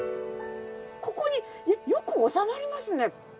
ここによく収まりますね。